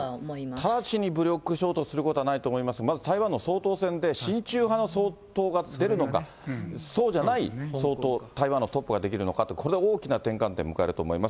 直ちに武力行使することはないと思いますが、まず台湾の総統選で親中派の総統が出るのか、そうじゃない総統、台湾のトップができるのかって、これは大きな転換点を迎えると思います。